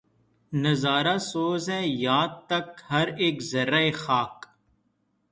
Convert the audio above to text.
نظارہ سوز ہے یاں تک ہر ایک ذرّۂ خاک